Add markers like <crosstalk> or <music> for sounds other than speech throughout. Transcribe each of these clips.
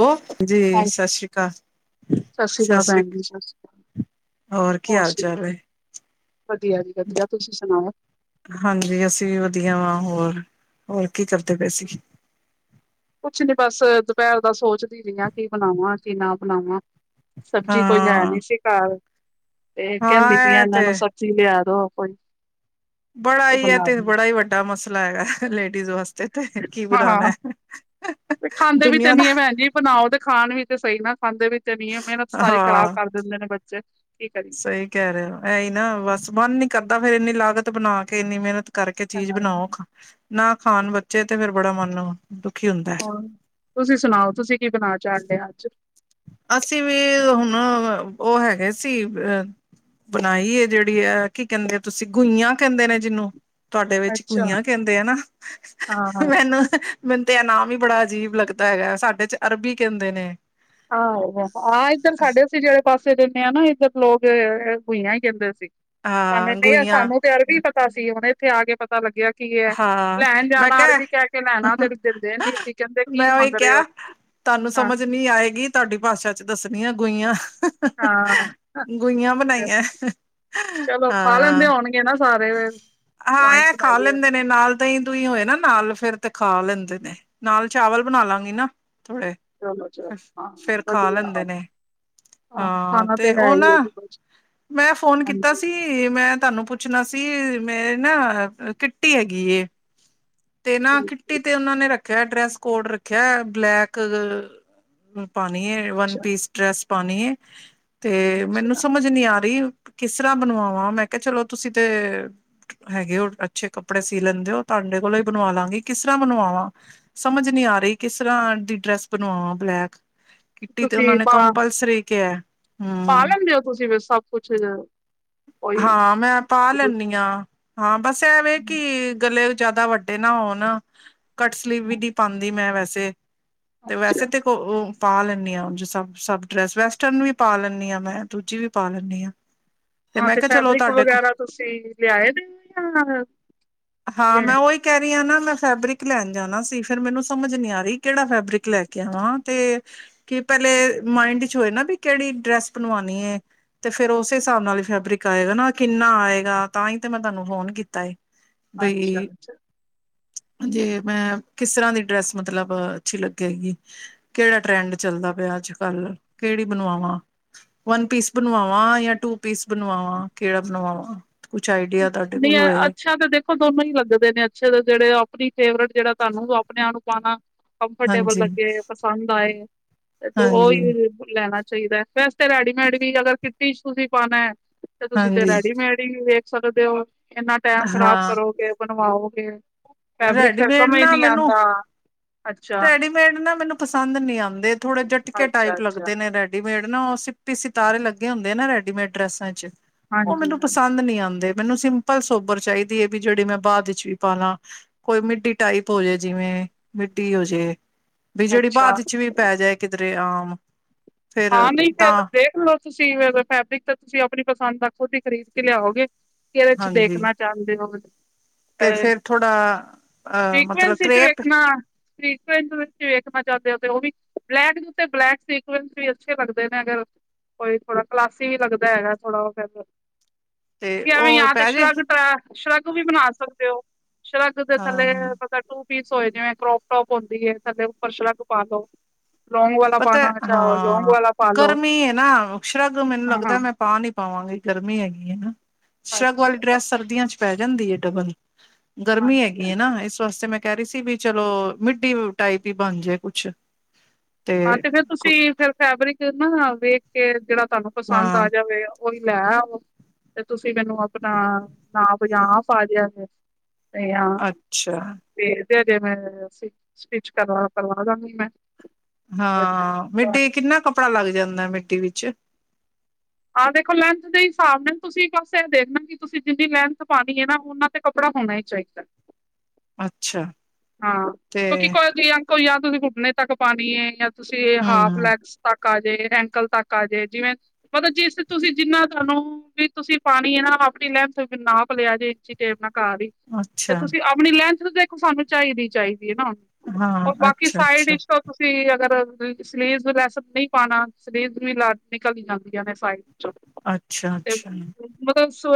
ਓ ਜੀ ਸਾਸਰੀ ਕਾਲ। ਸਸਰੀ ਕਾਲ ਭੈਣ ਜੀ। ਸਸਰੀ ਕਾਲ ਕੀ ਹੋਰ ਹਾਲ ਸੁਣਾਓ। ਚਾਲ ਹੈ ਵਧੀਆ ਜੀ ਵਧੀਆ ਤੁਸੀਂ ਸੁਣਾਓ। ਹਾਂਜੀ ਅਸੀਂ ਵੀ ਵਧੀਆ ਵਾਂ ਹੋਰ -ਹੋਰ ਕੀ ਕਰਦੇ ਪਏ ਸੀ। ਕੁਛ ਨੀ ਬਸ ਦੁਪੈਰ ਦਾ ਸੋਚਦੀ ਪਈ ਆਂ ਕੀ ਬਣਾਵਾਂ, ਕੀ ਨਾ ਬਣਾਵਾਂ। ਸਬਜ਼ੀ ਕੋਈ ਹੈ ਹਾਂ ਨੀ ਸੀ ਘਾਰ। ਤੇ ਹਾਂ ਕੈਂਦੀ ਪੀਆਂ ਇਹ ਏਨਾਂ ਤੇ ਨੂੰ ਸਬ- ਜੀ ਲਿਆ ਦੋ ਕੋਈ। ਬੜਾ ਈ ਐ ਬਣਾ ਤੇ ਦੀ ਬੜਾ ਈ ਵੱਡਾ ਮਸਲਾ ਹੈਗਾ ਲੇਡੀਜ਼ ਵਸਤੇ। ਹਾਂ, ਤੇ ਖਾਂਦੇ ਵੀ ਤੇ ਦੁਨੀਆਂ ਦਾ ਨੀ ਐ ਭੈਣ ਜੀ। ਬਣਾਓ ਤੇ ਖਾਣ ਵੀ ਤੇ ਸ‌ਈ ਨਾ ਖਾਂਦੇ ਵੀ ਤੇ ਨੀ ਆ। ਮੇਹਨਤ ਸਾਰੀ ਖ਼ਰਾਬ ਕਰ ਦਿੰਦੇ ਨੇ ਬੱਚੇ। ਕਰੀਏ। ਸ‌ਈ ਕੈ ਰਹੇ ਓ। ਐ ਈ ਨਾ ਬਸ ਮਨ ਨੀ ਕਰਦਾ ਫੇਰ ਏਨੀ ਲਾਗਤ ਬਣਾ ਕੇ ਏਨੀ ਮੇਹਨਤ- ਕਰਕੇ ਹਾਂ ਚੀਜ਼ ਬਣਾਓ ਖਾਂ, ਨਾ ਖਾਣ ਬੱਚੇ ਤੇ ਫੇਰ ਬੜਾ ਮਨ ਓ ਹੂਂ ਤੁਸੀਂ ਸੁਣਾਓ ਤੁਸੀਂ ਕੀ ਬਣਾ ਚਾੜ ਲਿਆ ਅੱਜ? ਅਸੀਂ ਵੀ ਹੁਣ ਓ ਹੈਗੇ ਸੀ। ਅ- ਬਣਾਈ ਏ, ਜੇੜੀ ਐ ਕੀ ਕੈਂਦੇ ਆ ਤੁਸੀਂ ਗੁਈਆਂ ਕੈਂਦੇ ਨੇ ਜਿਨੂੰ। ਤੁਆਡੇ ਵਿੱਚ ਅੱਛਾ ਗੁਈਆਂ ਕੈਂਦੇ ਆ ਨਾ ਹਾਂ ਹਾਂ ਮੈਨੂੰ- ਮੈਨੂੰ ਤੇ ਐ ਨਾਮ ਹੀ ਬੜਾ ਅਜੀਬ ਲੱਗਦਾ ਹੈਗਾ। ਸਾਡੇ 'ਚ ਅਰਬੀ ਕੈਂਦੇ ਨੇ। ਆਹੋ ਆਹ ਏਧਰ ਸਾਡੇ ਅਸੀਂ ਜੇੜੇ ਪਾਸੇ ਰੇਣੇ ਆਂ ਨਾ ਏਧਰ ਲੋਕ ਗੁਈਆਂ ਈ ਕੈਂਦੇ ਸੀ। ਹਾਂ ਸਾਨੂੰ ਤੇ ਗੁਈਆਂ ਸਾਨੂੰ ਤੇ ਅਰਬੀ ਪਤਾ ਸੀ। ਹੁਣ ਏਥੇ ਆ ਕੇ ਪਤਾ ਲੱਗਿਆ- ਕੀ ਐ ਹਾਂ ਲੈਣ ਮੈਂ ਜਾਣਾ। ਕਿਹਾ ਅਰਬੀ ਕੈ ਕੇ ਲੈਣਾ ਤੇ ਦਿੰਦੇ ਨੀ ਸੀ। ਕੈਂਦੇ ਕੀ ਮੰਗ ਰੇ ਓ। ਤਾਨੂੰ ਸਮਝ ਨੀ ਆਏਗੀ। ਤੁਹਾਡੀ ਭਾਸ਼ਾ 'ਚ ਦੱਸਣੀ ਆਂ ਗੁਈਆਂ। ਆਹ ਹਾਂ ਆਹ ਗੁਈਆਂ ਬਣਾਈਆਂ ਹਾਂ। ਮੈਂ ਕੈਨਾ ਸਾਰੇ। <unintelligible> ਹਾਂ ਤਾਂ ਹੀ ਐ ਖਾ ਬਣਾਈ ਹੋਏ ਲੈਂਦੇ ਨੇ ਨਾਲ- ਦ‌ਈਂ ਦੂਈਂ ਹੋਏ ਨਾ ਨਾਲ ਫੇਰ ਤੇ ਖਾ ਲੈਂਦੇ ਨੇ। ਨਾਲ ਚਾਵਲ ਬਣਾ ਲਾਂਗੀ ਨਾ ਥੋੜੇ। ਚਲੋ ਚਲੋ ਅਛ ਹਾਂ -ਫੇਰ ਖਾ ਵਧੀਆ ਲੈਂਦੇ ਨੇ। ਆਹ ਹਾਂ ਖਾਣਾ ਤੇ ਹੈ ਓ ਹੀ ਨਾ ਹੈ ਜੀ ਕੁਛ ਮੈਂ ਫੋਨ ਕੀਤਾ ਹਾਂਜੀ ਸੀ। ਕੀ ਏ, ਮੈਂ ਤਾਨੂੰ ਪੁੱਛਣਾ ਸੀ ਮੇਰੇ ਨਾ ਕਿੱਟੀ ਹੈਗੀ ਏ। ਤੇ ਨਾ, ਠੀਕ ਕਿਟੀ ਠੀਕ ਤੇ ਉਹਨਾ ਨੇ ਰੱਖਿਆ ਡਰੈਸ ਕੋਡ ਰੱਖਿਆ ਬਲੈਕ ਪਾਨੀ ਐ ਵਨ- ਅੱਛਾ ਪੀਸ ਡਰੈਸ ਪਾਨੁ ਏ ਤੇ ਮੈਨੂੰ ਅੱਛਾ ਸਮਝ ਨੀ ਆ ਰਹੀ। ਕਿਸ ਤਰ੍ਹਾਂ ਬਣਵਾਵਾਂ? ਮੈਂ ਕਿਹਾ, ਚਲੋ ਤੁਸੀਂ ਤੇ। ਹੈਗੇ ਓ, ਅੱਛੇ ਕੱਪੜੇ ਸੀ ਲੈਂਦੇ ਓ। ਤੁਆਡੇ ਕੋਲੋਂ ਹੀ ਬਣਵਾ ਲਾਂਗੀ ਕਿਸਰ੍ਹਾਂ ਬਣਵਾਵਾਂ? ਸਮਝ ਨੀ ਆ ਰੀ ਕਿਸਰ੍ਹਾਂ ਦੀ ਡਰੈੱਸ ਬਣਵਾਵਾਂ ਬਲੈਕ ਕਿੱਟੀ ਤੇ ਓਨਾਂ ਤੁਸੀਂ ਨੇ ਪਾ ਕੰਪਲਸਰੀ ਕੇਆ ਪਾ ਹੂੰ। ਲੈਂਦੇ ਹੋ ਤੁਸੀਂ ਸਭ ਕੁਛ ਕੋਈ ਹਾਂ, ਮੈਂ ਪਾ ਲੈਂਣੀ ਆਂ। ਹਾਂ, ਬਸ ਐ ਦੇ ਕਿ ਗਲੇ ਜਾਦਾ ਵੱਡੇ ਨਾ ਹੋਣ ਕੱਟ ਸਲੀਵ ਵੀ ਨੀ ਪਾਦੀ ਮੈਂ ਵੈਸੇ ਤੇ ਅੱਛਾ ਵੈਸੇ ਤੇ ਓ-ੳ ਪਾ ਲੈਂਨੀ ਆ ਉੰਜ ਸਭ-ਸਭ ਡਰੈਸ ਵੈਸਟਰਨ ਵੀ ਪਾ ਲੈਂਨੀ ਆਂ ਮੈਂ ਦੂਜੀ ਵੀ ਪਾ ਲੈਂਣੀ ਆ। <inaudible> ਹਾਂ, ਤੇ ਫੈਬਰਿਕ ਵਗੈਰਾ ਤੁਸੀਂ ਲਿਆਏ ਦੇ ਓ ਯਾਂ ਫੇਰ? ਕੈ ਰਈ ਹਾਂ ਨਾ, ਮੈਂ ਫੈਬਰਿਕ ਲੈਣ ਜਾਣਾ ਸੀ। ਫਿਰ ਮੈਨੂੰ ਸਮਝ ਨੀ ਆ ਰੀ ਕੇੜਾ ਫੈਬਰਿਕ ਲੈ ਕੇ ਆਵਾਂ ਤੇ ਕਿ ਪੈਲੇ ਮਾਇਂਡ ਚ ਹੋਏ ਨਾ ਬੀ ਕੇ ਹਨ ਏਕੜੀ ਡਰੈੱਸ ਬਣਵਾਣੀ ਏ ਤੇ ਫੇਰ ਓਸੇ ਹਿਸਾਬ ਨਾਲ ਹੀ ਫੈਬਰਿਕ ਆਏਗਾ ਨਾ, ਕਿੰਨਾ ਆਏਗਾ, ਤਾਂ ਈ ਤੇ ਮੈਂ ਤਾਨੂੰ ਫੋਨ ਕੀਤਾ ਹੀ‌‌। ਅੱਛਾ-ਅੱਛਾ। ਜੇ ਮੈਂ ਕਿਸ ਤਰ੍ਹਾਂ ਦੀ ਡਰੈੱਸ ਮਤਲਬ ਅੱਛੀ ਲੱਗੇਗੀ ਕੇੜਾ ਟਰੈਂਡ ਚੱਲਦਾ ਪਯਾ ਅੱਜ-ਕੱਲ੍ਹ ਕੇੜੀ ਬਣਵਾਵਾਂ? ਵਨ-ਪੀਸ ਬਣਵਾਵਾਂ ਯਾਂ ਟੂ-ਪੀਸ ਬਣਵਾਵਾਂ? ਕੇੜਾ ਬਣਵਾਵਾਂ, ਕੁਛ ਆਈਡੀਆ ਤੁਹਾਡੇ ਨਈ ਕੋਲ ਹੋਏ ਅੱਛਾ ਤਾ ਦੇਖੋ ਦੋਨੋ ਈ ਲੱਗਦੇ ਨੇ, ਅੱਛੇ ਦੇ ਜੇੜੇ ਓ ਤੁਸੀ ਫੇਵਰਟ ਜੇੜਾ ਤਾਨੂੰ ਆਪਣੇ ਆਪ ਨੂੰ ਪਾਨਾ ਕੰਫਰਟੇਬਲ ਹਾਂਜੀ ਲੱਗੇ ਪਸੰਦ ਆਏ। ਅਤੇਂ ਓ ਹਾਂਜੀ ਯੂਜ ਲੈਣਾ ਚਾਈਦਾ ਵੈਸੇ ਰੈਡੀਮੇਡ ਵੀ ਅਗਰ ਕਿੱਟੀ ਚ ਤੁਸੀਂ ਪਾਣਾ ਤੇ ਤੁਸੀਂ ਤੇ ਹਾਂਜੀ ਰੈਡੀਮੇਡ ਈ ਵੇਖ ਸਕਦੇ ਓ ਏਨਾ ਟੈਮ ਖ਼ਰਾਬ ਹਾਂ ਕਰੋਗੇ। ਬਣਵਾਓਗੇ ਫੈਬਰਿਕ ਫੇਰ ਰੈਡੀਮੇਡ ਸਮਝ ਨਾ ਨੀ ਮੈਨੂੰ ਆਦਾ। ਰੈਡੀਮੇਡ ਨਾ ਮੈਨੂੰ ਪੰਸਦ ਨਈ ਆਦੇ, ਥੋੜੇ ਝਟਕੇ ਅੱਛਾ ਟਾਈਪ ਅੱਛਾ ਲੱਗਦੇ ਨੇ ਰੈਡੀ ਰਡੀਮੇਡ ਨਾ, ਓ ਸੀਪੀ-ਸਿਤਾਰੇ ਲੱਗੇ ਹੁੰਦੇ ਨਾ ਰੈਡੀਮੇਡ ਡਰੈਸਾਂ ਚ ਓ ਹਾਂਜੀ ਮੇਨੂੰ ਹਾਂਜੀ ਪਸਾੰਦ ਨੀ ਆਂਦੇ, ਮੇਨੂੰ ਸਿਮ ਪਲ ਸੋਬਰ ਚਾਇਦੀ ਏ ਵੀ ਜੇੜੀ ਮੈਂ ਬਾਅਦ ਵਿੱਚ ਵੀ ਪਾਾਲਾ ਕੋਈ ਮਿੱਡੀ ਟਾਈਪ ਹੋਜੇ ਜਿਵੇਂ ਡੀ ਹੋਜੇ ਬੀ ਜੇੜੀ ਅੱਛਾ ਬਾਦ ਚ ਵੀ ਪੈਜੇ ਕਿਧਰੇ ਆਮ ਫਿਰ ਹਾਂ, ਨਈ ਫੇਰ ਤਾਂ ਤੇ ਦੇਖਲੋ। ਤੁਸੀਂ ਫੇਰ ਫੈਬਰਿਕ ਤਾਂ ਤੁਸੀਂ ਆਪਣੀ ਪੰਸਦ ਦਾ ਖੁਦ ਈ ਖਰੀਦ ਕੇ ਲਿਆਓਗੇ, ਕੇ ਏਦੇ ਚ ਹਾਂਜੀ ਦੇਖਣਾ ਚਾਂਹਦੇ ਓ ਤੇ ਅ ਫਿਰ ਥੋੜਾ ਅ ਮਤਲਬ ਸਿਕਵੈਂਸ ਚ ਕਰੇਪ ਵੇਖਣਾ। ਸਿਕਵੈਂਸੱ ਵਿਚ ਵੇਖਣਾ ਚਾਹੰਦੇ ਹੋ, ਤੇ ਓ ਵੀ ਬਲੈਕ ਦੇ ਉੱਤੋ ਬਲੈਕ ਸਿਕਵੈਂਸ ਵੀ‌ ਅੱਛੀ। ਅੱਛੇ ਲੱਗਦੇ ਨੇ ਅਗਰ ਕੋਈ ਥੋੜਾ ਕਲਾਸੀ ਵੀ ਲੱਗਦਾ ਹੈਗਾ ਥੋੜਾ ਓ ਫੇਰ। ਤੇ ਐਵੇਂ ਉਹ ਯਾ ਤੇ ਪੈ ਜੇ ਸ਼ਰਗ ਤਰਾ ਸ਼ਰਗ ਵੀ ਬਣਾ ਸਕਦੇ ਹੋ, ਸ਼ਰਗ ਦੇ ਥੱਲੇ ਹਾਂ ਮਤਾ ਟੂ ਪੀਸ ਹੋਏ, ਜਿਵੇਂ ਕਰੋਪ ਟੌਪ ਹੁੰਦੀ ਏ। ਥੱਲੇ ੳੱਪਰ ਸ਼ਰਗ ਪਾਲੋ। ਲੋਂਂਗ ਵਾਲਾ ਪਤਾ ਪਾਣਾ ਚਾ ਹਾਂ, ਗਰਮੀ ਏ ਨਾ। ਸ਼ਰਗ ਮੈਨੂੰ ਹਾਂ ਲੱਗਦਾ ਮੈਂ ਹਾਂ ਪਾ ਨੀ ਪਾਵਾਂਗੀ, ਗਰਮੀ ਹੈਗੀ ਏ ਨਾ। ਸ਼ਰਗ ਵਾਲੀ ਅੱਛਾ ਡਰੈੱਸ ਸਰਦੀਆਂ ਚ ਪੈ ਜਾਂਦੀ ਏ‌ ਡਬਲ। ਗਰਮੀ ਹਾਂਜੀ। ਹੈਗੀ ਏ ਨਾ, ਇਸ ਵਾਸਤੇ ਮੈਂ ਕੈ ਹੀ ਸੀ ਵੀ ਚਲੋ ਮਿਡੀ ਟਾਈਪ ਈ ਬਣ ਜੇ ਕੁਛ ਹਾਂ, ਤੇ ਫੇਰ ਤੁਸੀਂ ਫੇਰ ਫੈਬਰਿਕ ਨਾ ਵੇਖ ਕੇ ਜੇੜਾ ਤਾਨੂੰ ਪਸਾੰਦ ਹਾਂ ਆ ਜਾਵੇ। ਉਈ ਲੈ ਆਵੋ ਤੇ ਤੁਸੀਂ ਮੈਨੂੰ ਆਪਣਾ ਨਾਪ ਜਾਂ ਆਪ ਆ ਜਾਯਾ ਕਰੋ। ਤੇ ਯਾਂ ਅੱਛਾ ਤੇ, ਤੇ ਦੇਦੇ ਮੈਂ ਸਟਿੱਚ-ਸਟਿੱਚ ਕਰ ਕਰਵਾ ਛਾਂਗੀ ਮੈਂ। ਹਾਂ, ਮਿੱਡੀੇ ਕਿੰਨਾ ਕੱਪੜਾ ਲਾੱਗ ਜਾਂਦਾ ਮਿੱਡੀ ਵਿੱਚ? ਆਹ ਦੇਖੋ, ਲੈਂਥ ਦੇ ਹਿਸਾਬ ਨਾਲ ਤੁਸੀਂ ਬਸ ੲੈ ਦੇਖਣਾ ਕਿ ਤੁਸੀਂ ਜਿੰਨੀ ਲੈਂਥ ਪਾਣੀ ਏ ਨਾ, ਓਨਾਂ ਤੇ ਕੱਪੜਾ ਹੋਣਾ ਹੀ ਚਾਇਦਾ। ਅੱਛਾ। ਹਾਂ ਤੇ ਕਿਓਕਿ ਕੋਈ ਜਾਂ ਕੋਈ ਜਾ ਤੁਸੀਂ ਘੁੱਟਣੇ ਤੱਕ ਪਾਨੀ ਏ, ਜਾਂ ਤੁਸੀਂ ਹਾਫ ਹਮ ਲੈਗਸ ਤੱਕ। ਆ ਜੇ ਐਂਕਲ ਤੱਕ ਆ ਜੇ ਜਿਵੇਂ ਮਤਲਬ ਜਿਸ ਤੁਸੀਂ ਜਿੰਨਾ ਤਾਨੂੰ, ਵੀ ਤੁਸੀਂ ਪਾਨੀ ਏ ਨਾ, ਆਪਣੀ ਲੈਨਥ ਤੋਂ ਨਾਪ ਲਿਆ ਜੇ ਇੰਚੀ ਟੇਪ ਨਾਲ ਘਾਰ ਈ, ਤੇ ਅੱਛਾ ਤੁਸੀਂ ਆਪਣੀ ਲੈਂਥ ਦੇਖੋ ਸਾਨੂੰ ਚਾਈਦੀ-ਚਾਈਦੀ ਏ ਨਾ ਓ, ਹਾਂ ਬਾਕੀ ਅੱਛਾ ਸਾਈਡ‌ਿ ਅੱਛਾ ਵਿਚੋ ਤੁਸੀਂ ਅਗਰ ਸਲੀਵਸ ਲੈਸ ਨਈ ਪਾਣਾ, ਸਲੀਵਸ ਦੀ ਲਾਟ ਨਿਕਲ ਜਾਂਦੀਆਂ ਨੇ ਸਾਈਡ ਅੱਛਾ ਤੇ ਅੱਛਾ ਮਤਲਬ ਸ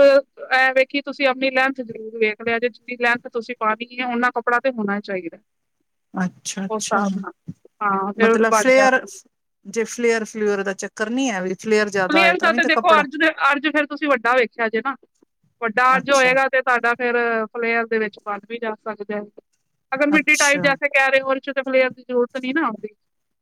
ਐਂ ਵੇਖੀ ਤੁਸੀਂ ਆਪਣੀ ਲੈਂਥ ਜ਼ਰੂਰ ਵੇਖ ਲਿਆ ਜੇ, ਜਿੰਨੀ ਲੈਂਥ ਤੁਸੀਂ ਪਾਨੀ ਐ ਓਨਾਂ ਕੱਪ ਕੱਪੜਾ ਤੇ ਹੋਣਾ ਚਾਈਦਾ। ਅੱਛਾ- ਅੱਛਾ ਹਾਂ ਫੇਰ ਮਤਲਬ ਬਣ ਫਲੇਅਰ ਜਾਂਦੀ ਜੇ ਫਲੇਅਰ-ਫਲੂਅਰ ਦਾ ਚੱਕਰ ਨੀ ਐ ਵੀ ਫਲੇਅਰ ਜ਼ਿਆਦਾ ਹੋਏ ਫਲੇਅਰ ਤਾਂ ਦਾ ਵੀ ਤੇ ਤਾਂ ਦੇਖੋ ਕੱਪੜਾ ਅਰਜ ਦੇ ਅਰਜ ਫੇਰ ਤੁਸੀਂ ਵੱਡਾ ਵੇਖਿਆ ਜੇ ਨਾ, ਵੱਡਾ ਅਰਜ ਅੱਛਾ ਹੋਏਗਾ ਤੇ ਤਾਡਾ ਫੇਰ ਫਲੇਅਰ ਦੇ ਵਿੱਚ ਬਣ ਵੀ ਜਾ ਸਕਦਾ, ਅਗਰ ਮਿੱਡੀ ਟਾਈਮ ਅੱਛਾ ਜੈਸੇ ਕੈਹ ਰਹੇ ਹੋ ਓਚ ਫਲੇਅਰ ਦੀ ਜ਼ਰੂਰਤ ਨੀ ਨਾ ਹੁੰਦੀ,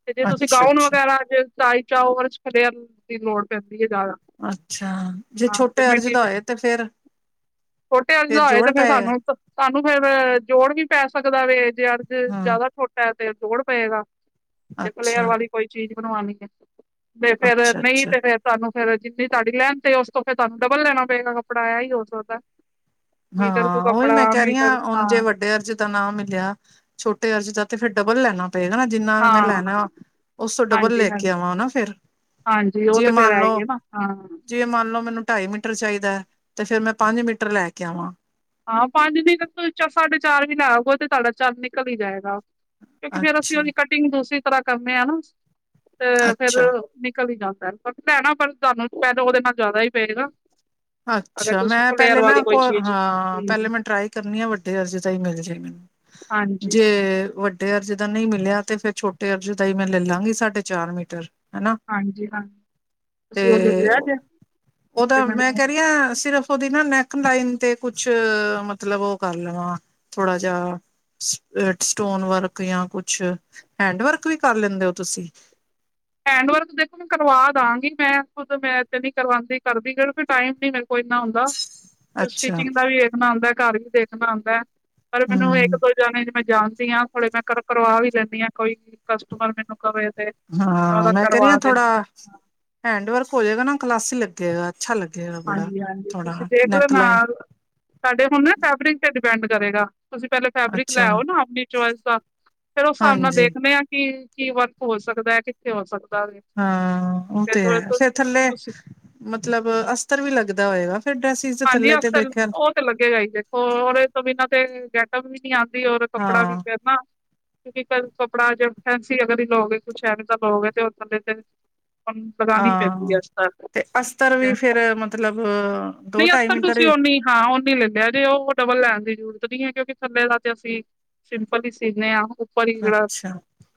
ਤੇ ਜੇ ਤੁਸੀਂ ਅੱਛਾ ਗਾਉਣ ਅੱਛਾ ਵਗੈਰਾ ਚ ਢਾਈ ਚਾਵਰ ਚ ਫਲੇਅਰ ਦੀ ਲੋੜ ਪੈਂਦੀ ਐ ਜ਼ਾਦਾ ਅੱਛਾ ਜੇ ਛੋਟੇ ਅਰਜ ਦਾ ਹੋਏ ਤੇ ਫੇਰ ਛੋਟੇ ਅਰਜ ਦਾ ਹੋਏ ਜੋੜ ਤੇ ਫੇਰ ਪਏਗਾ ਸਾਨੂੰ, ਤਾਨੂੰ ਫੇਰ ਜੋੜ ਵੀ ਪੈ ਸਕਦਾ ਵੇ ਜੇ ਅਰਜ਼ ਹੂੰ, ਜ਼ਾਦਾ ਛੋਟ ਟਾ ਤੇ ਜੋੜ ਪਏਗਾ, ਜੇ ਫਲੇਅਰ ਅੱਛਾ, ਵਾਲੀ ਕੋਈ ਚੀਜ਼ ਬਣਵਾਣੀ ਐ ਤੇ ਫੇਰ ਨੀ ਅੱਛਾ-ਅੱਛਾ। ਤੇ ਫੇਰ ਤਾਨੂੰ ਫੇਰ ਜਿੰਨੀ ਤਾਡੀ ਲੈਂਥ ਏ, ਉਸ ਤੋਂ ਫ਼ਿਰ ਤਾਨੂੰ ਡਬਲ ਲੈਣਾ ਪਏਗਾ ਕੱਪੜਾ ਐਹੀ ਹੋ ਸਕਦਾ ਮੀਟਰ ਤੋਂ ਹਾਂ ਓ, ਈ, ਕੱਪੜਾ ਮੈਂ, ਕੈ, ਰਈ, ਮੀਟਰ ਆ ਹੁਣ ਹਾਂ ਜੇ ਵੱਡੇ ਅਰਜ ਦਾ ਨਾ ਮਿਲੇਆ, ਛੋਟੇ ਅਰਜ ਦਾ ਤੇ ਫੇਰ ਡਬਲ ਲੈਣਾ ਪਏਗਾ ਨਾ, ਜਿੰਨਾ ਮੈਂ ਹਾਂ ਲੈਣਾ ਉਸ ਤੋਂ ਡਬਲ ਹਾਂਜੀ ਲੈ ਕੇ ਹਾਂਜੀ ਆਵਾਂ ਨਾ ਫੇਰ ਹਾਂਜੀ ਓ ਤੇ ਫੇਰ ਹੈ ਹੀ ਨਾ ਜੇ ਮੰਨ ਲਓ ਮੈਨੂੰ ਢਾਈ ਮੀਟਰ ਚਾਈਦਾ ਤੇ ਫੇਰ ਮੈਂ ਪੰਜ ਮੀਟਰ ਲੈ ਕੇ ਆਵਾਂ ਹਾਂ ਪੰਜ ਨੀ ਤੇ ਵਿਚੋ ਸਾਢੇ ਚਾਰ ਵੀ ਲੈ ਆਓ, ਓ ਤੇ ਤਾਡਾ ਚਾਰ ਨਿਕਲ ਈ ਜਾਏਗਾ ਕਿਓਕੀ ਫੇਰ ਅਸੀਂ ਅੱਛਾ, ਓਦੀ ਕਟਿੰਗ ਦੂਸਰੀ ਤਰ੍ਹਾਂ ਕਰਦੇ ਆ ਨਾ ਤੇ ਫੇਰ ਅੱਛਾ। ਨਿਕਲ ਈ ਜਾਂਦਾ, ਪਤਾ ਏ ਪਰ ਸਾਨੂੰ, ਪੇਲਾਂ ਓਦੇ ਨਾਲੋਂ ਜ਼ਾਦਾ ਈ ਪਏਗਾ। ਅਗਰ ਅੱਛਾ, ਤੁਸੀਂ ਮੈਂ ਫਲੇਅਰ ਪੇਲੇ ਨਾ ਵਾਲੀ ਕੋਈ ਕੋ ਚੀਜ਼ ਹਾਂ ਪੇਲੇ ਮੈਂ ਟਰਾਈ ਕਰਨੀ ਆ, ਵੱਡੇ ਅਰਜੇ ਦਾ ਈ ਮਿਲ ਜੇ, ਹਾਂਜੀ ਜੇ ਵ ਵੱਡੇ ਅਰਜ ਦਾ ਨਈ ਮਿਲੇਆ, ਤੇ ਫੇਰ ਛੋਟੇ ਅਰਜ ਦਾ ਈ ਮੈਂ ਲੈ ਲਾਂਗੀ ਸਾਢੇ ਚਾਰ ਮੀਟਰ ਹਨਾ ਹਾਂਜੀ ਹਾਂਜੀ ਤੇ ਤੁਸੀਂ ਉਹ ਲੈ ਲਿਆ ਜੇ ਤੇ ਓਦਾ ਮੈਂ ਮੈਨੂੰ ਕਹਿ ਰਹੀ ਸਿਰਫ ਓਦੀ ਨਾ ਨੈਕ ਲਾਈਨ ਤੇ ਕੁਛ ਮਤਲਬ ਓ ਕਰ ਲਵਾਂ ਥੋੜਾ ਜੇਆ ਸਟ ਸਟੋਨ ਵਰਕ ਜਾਂ ਕੁਛ ਹੈਂਡ ਵਰਕ ਵੀ ਕਰ ਲੇਂਦੇ ਓ ਤੁਸੀਂ? ਹੈਂਡ ਵਰਕ ਦੇਖੋ ਕਰਵਾ ਦਾਗੀ ਮੈਂ, ਖੁਦ ਮੈਂ ਏਥੇ ਨੀ ਕਰਵਾਦੀ ਕਰਦੀ ਟਾਈਮ ਨੀ ਮਿਲ ਕੋਈ ਏਨਾ ਹੁੰਦਾ ਅੱਛਾ ਸਟਿਚਿੰਗ ਦਾ ਵੀ ਵੇਖਣਾ ਹੁੰਦਾ, ਘਰ ਵੀ ਦੇਖਣਾ ਹੁੰਦਾ ਪਰ ਮੈਨੂੰ ਏਕ, ਹਮ ਦੋ, ਈ ਜਾਣੇ ਚ ਮੈਂ ਜਾਣਦੀ ਆ, ਥੋੜੇ ਮੈਂ ਕਰਵਾ ਵੀ ਲੈ ਨੀ ਆ, ਕੋਈ ਕਸਟਮਰ ਮੈਨੂੰ ਕਵੇ ਤੇ ਹਾਂ ਉਹਦਾ ਮੈਂ ਕਹਿ ਕਰਵਾ ਰਹੀ ਆ ਦਿੰਦੀ ਥੋੜਾ ਹਾਂ ਹੈਂਡ ਵਰਕ ਹੋ ਜੇ ਗਾ ਨਾ ਕਲਾਸੀ ਲੱਗੇਗਾ ਅੱਛਾ ਲੱਗੇਗਾ ਬੜਾ ਹਾਂਜੀ -ਹਾਂਜੀ ਥੋੜਾ ਤੁਸੀਂ ਦੇੇਖਲੋ ਨੈਕ ਨਾ ਲਾਈਨ ਤਾਡੇ ਹੁਣ ਨਾ ਫੈਬਰਿਕ ਤੇ ਡਿਪੈਂਡ ਕਰੇਗਾ ਤੁਸੀਂ ਪੇਲੇ ਫੈਬਰਿਕ ਲੈ ਅੱਛਾ ਆਓ ਨਾ ਆਪਣੀ ਚੁਆਏਸ ਦਾ ਫੇਰ ਉਸ ਹਿਸਾਬ ਨਾਲ ਹਾਂਜੀ ਦੇਖਦੇ ਆ ਕਿ ਕੀ ਵਰਕ ਹੋ ਸਕਦੈ ਕਿੱਥੇ ਹੋ ਸਕਦੈ ਹਾਂ ਉਹ ਤੇ ਐ, ਫਿਰ ਥੱਲੇ ਮਤਲਬ ਅਸਤਰ ਵੀ ਲੱਗਦਾ ਹੋਏਗਾ ਫੇਰ, ਡਰੈਸੀਜ 'ਚ ਹਾਂਜੀ ਥੱਲੇ ਉਸ ਤੇ ਬੈਠਿਆਂ ਨੂੰ ਉਹ ਲੱਗੇਗਾ ਹੀ, ਦੇਖੋ ਰ ਤੋਂ ਬਿਨਾਂ ਤੇ ਗੈਟਪ ਵੀ ਨੀ ਆਦੀ, ਔਰ ਕੱਪੜਾ ਵੀ ਹਾਂ ਫੇਰ ਨਾ ਕਿਉਂਕਿ ਕ ਕੱਪੜਾ ਜੇ ਫੈਸੀ ਅਗਰ ਲੋਗੇ ਤੋ ਔਦੇ ਥੱਲੇ <unintelligible> ਲੋਗੇ ਤੇ। <unintelligible> ਲਗਾਉਣੀ ਪੈਂਦੀ ਹਾਂ, ਹੈ ਅਸਤਰ ਤੇ ਅਸਤਰ ਵੀ ਫੇਰ ਮਤਲਬ ਦੋ ਨਹੀਂ, ਢਾਈ ਅਸਤਰ ਮੀਟਰ ਤੁਸੀਂ ਉਨਾ ਹੀ ਹਾਂ ਉਹਨਾ ਹੀ ਲੈ ਲਿਓ ਜੇ, ਉਹ ਡਬਲ ਲੈਣ ਦੀ ਜ਼ਰੂਰਤ ਨੀ ਐ। ਕਿਉਂਕਿ ਥੱਲੇ ਦਾ ਤੇ ਅਸੀਂ ਸਿੰਪਲ ਹੀ ਸੀਨੇ ਆ, ਉੱਪਰ ਹੀ ਜਿਹੜਾ ਅੱਛਾ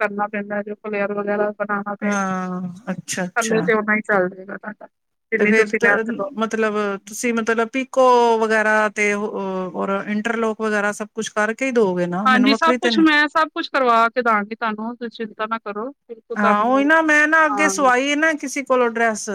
ਕਰਨਾ ਪੈਂਦਾ। ਜੋ ਫਲੇਅਰ ਵਗੈਰਾ ਦ ਬਣਾਣਾ ਪੇਗਾ, ਹਾਂ ਅੱਛਾ ਥੱਲੇ ਅੱਛਾ ਤੇ ਓਨਾ ਹੀ ਚੱਲ ਜੁਗਾ ਤੁਡਾ, ਤੇ ਜਿੰਨੀ ਤੁਸੀਂ ਫੇਰ ਲੈਂਥ ਮਤਲਬ, ਤੁਸੀਂ ਮਤਲਬ ਪੀਕੋ ਵਗੈਰਾ ਤੇ ਔਰ ਇੰਟਰਲੋਕ ਵਗੈਰਾ ਸਭ ਕੁਛ ਕਰਕੇ ਹੀ ਦੋਗੇ ਨਾ? ਮੈਨੂੰ ਹਾਂਜੀ ਸਭ ਵੱਖਰੀ ਤੇ ਕੁਛ ਨੀ ਮੈਂ, ਸਭ ਕੁਛ ਕਰਵਾ ਕੇ ਦਾਂਗੀ ਤੁਹਾਨੂੰ, ਚਿੰਤਾ ਨਾ ਕਰੋ। ਬਿਲਕੁਲ ਹਾਂ, ੳਹੀ ਤੁਹਾਨੂੰ ਨਾ ਮੈਂ ਨਾ ਅੱਗੇ ਹਾਂ ਸਵਾਈ ਹੈ ਨਾ, ਕਿਸੇ ਕੋਲੋਂ ਡਰੈਸ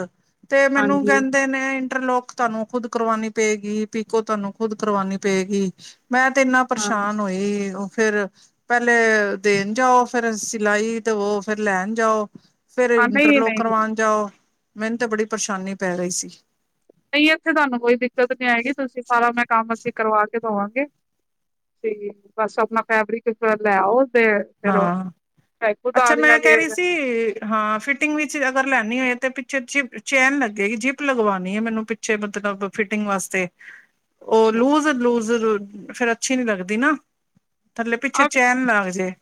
ਤੇ ਮੈਨੂੰ ਹਾਂਜੀ ਕਹਿੰਦੇ ਨੇ ਇੰਟਰ ਲੋਕ, ਤੁਹਾਨੂੰ ਖੁਦ ਕਰਵਾਉਣੀ ਪਏਗੀ। ਪੀਕੋ, ਤੁਹਾਨੂੰ ਖੁਦ ਕਰਵਾਣੀ ਪਏਗੀ। ਮੈਂ ਤੇ ਇੰਨਾ ਹਾਂ ਪਰੇਸ਼ਾਨ ਹੋਈ, ਉਹ ਫੇਿਰ ਪਹਿਲੇ ਦੇਣ ਜਾਓ, ਫੇਿਰ ਸਿਲਾਈ ਦੇਵੋ, ਫੇਰ ਲੈਣ ਜਾਓ ਫੇਿਰ ਹਾਂ ਨਹੀਂ ਇੰਟਰਲੋਕ ਨਹੀਂ ਕਰਵਾਉਣ ਜਾਓ, ਮੈਨੂੰ ਤੇ ਬੜੀ ਪਰੇਸ਼ਾਨੀ ਪੈ ਰਹੀ ਸੀ। ਨਹੀਂ, ਇੱਥੇ ਤੁਹਾਨੂੰ ਕੋਈ ਦਿੱਕਤ ਨੀ ਆਏਗੀ। ਤੁਸੀਂ, ਸਾਰਾ ਮੈਂ ਕੰਮ ਅਸੀਂ ਕਰਵਾ ਕੇ ਦੇਵਾਂਗੇ। ਠੀਕ, ਬਸ ਆਪਣਾ ਫੈਬਰੀਕ ਲੈਆਓ ਤੇ ਫਿਰ ਹਾਂ ਚਾਹੇ ਖੁਦ ਆ ਅੱਛਾ, ਰਿਹਾ ਮੈਂ ਕਹਿ ਜੇ ਰਹੀ ਸੀ ਹਾਂ, ਫਿਟਿੰਗ ਵਿੱਚ ਅਗਰ ਲੈਣੀ ਹੋਏ ਤੇ ਪਿੱਛੇ ਜਿਪ ਚੈਨ ਲੱਗੇਗੀ। ਜਿਪ ਲਗਵਾਉਣੀ ਹੈ ਮੈਨੂੰ ਪਿੱਛੇ ਮਤਬਲ, ਫਿਟਿੰਗ ਵਾਸਤੇ ਉਹ ਅੱਛਾ ਲੂਜ਼-ਲੂਜ਼, ਫੇਿਰ ਅੱਛੀ ਨੀ ਲੱਗਦੀ ਨਾ। ਥੱਲੇ, ਪਿੱਛੇ ਆਪ ਚੈਨ ਲੱਗ ਜੇ।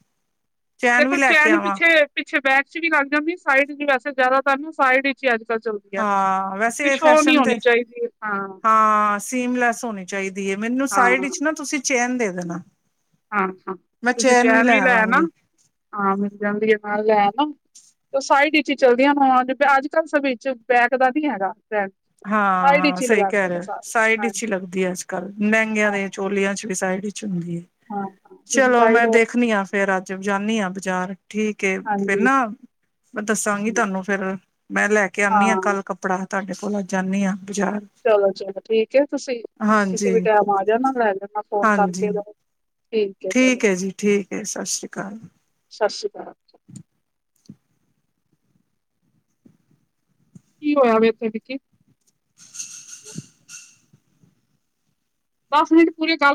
ਦੇਖੋ, ਵੀ ਲੈ ਕੇ ਚੈਨ ਆਵਾਂ ਪਿੱਛੇ-ਪਿੱਛੇ ਬੈਕ 'ਚ ਵੀ ਲੰਗ ਜਾਂਦੀ ਸਾਈਡ 'ਚ, ਵੈਸੇ ਜ਼ਿਆਦਾ ਤਰ ਨਾ, ਸਾਈਡ 'ਚ ਹੀ ਅੱਜ ਕੱਲ ਚੱਲ ਹਾਂ ਵੈਸੇ ਸ਼ੋਹ ਨੀ ਫੈਸ਼ਨ ਤੇ ਹੋਣੀ ਚਾਹੀਦੀ ਹੈ। ਹਾਂ, ਸੀਮਲੈਸ ਹੋਣੀ ਚਾਹੀਦੀ ਹੈ। ਮੈਨੂੰ ਹਾਂ ਸਾਈਡ ਵਿੱਚ ਨਾ ਤੁਸੀਂ ਚੇਨ ਦੇ ਦੇਨਾ। ਹਾਂ ਹਾਂ, ਤੁਸੀਂ ਚੈਨ ਵੀ ਲੈ ਆਨਾ, ਆਵਾਂਗੀ ਹਾਂ ਮਿਲ ਜਾਂਦੀ ਹੈ ਨਾਲ ਲੈ ਆਨਾ। ਸਾਈਡ ਵਿੱਚ ਹੀ ਚਲਦੀਆਂ, ਹੋ ਅੱਜ ਕੱਲ੍ਹ ਸਭ ਵਿੱਚ ਬੈਕ ਦਾ ਨੀ ਹੈਗਾ ਬੈਕ। ਹਾਂ ਸਾਈਡ ਹਾਂ ਵਿੱਚ ਹੀ ਸਹੀ ਕਹਿ ਲਗਾਉਂਦੇ ਨੇ ਰਿਹੇ, ਸਾਰੇ ਸਾਈਡ ਵਿਚ ਹੀ ਹਾਂਜੀ ਲੱਗਦੀ ਅੱਜ ਕੱਲ, ਲੇਹਗਿਆਂ ਹਾਂ ਦੇ ਚੋਲੀਆਂ 'ਚ ਵੀ ਸਾਈਡ। ਹਾਂ ਹਾਂ ਤੁਸੀਂ ਚਲੋ ਸਾਈਡ ਮੈਂ ਹੋ ਦੇਖਣੀ ਹਾਂ ਫੇਰ ਅੱਜ, ਜਾਂਦੀ ਹਾਂ ਬਾਜ਼ਾਰ। ਠੀਕ ਏ, ਫੇਰ ਹਾਂਜੀ ਨਾ ਮੈਂ ਦੱਸਾਂਗੀ ਹਮ, ਤੁਹਾਨੂੰ ਫੇਰ, ਮੈਂ ਲੈ ਕੇ ਆਉਦੀ ਆ ਹਾਂ ਕੱਲ ਕੱਪੜ ਕਪੜਾ, ਤੁਹਾਡੇ ਕੋਲ ਆ ਜਾਂਦੀ ਹਾਂ। ਬਾਜ਼ਾਰ ਚਲੋ ਚਲੋ, ਠੀਕ ਹੈ। ਤੁਸੀਂ ਕਿਸ ਹਾਂਜੀ ਵੀ ਟੈਮ ਆ ਜਾਣਾ, ਲੈ ਲਣਾ ਫੋਨ ਕਰਕੇ ਹਾਂਜੀ ਲੈ ਠੀਕ ਹੈ ਜੀ, ਠੀਕ ਹੈ, ਸਤਿ ਸ਼੍ਰੀ ਅਕਾਲ। ਸਤਿ ਸ਼੍ਰੀ ਅਕਾਲ। ਕੀ ਹੋਇਆ ਵੇ ਉੱਥੇ ਵਿਖੀ? ਦਸ ਮਿੰਟ ਪੂਰੇ ਗੱਲ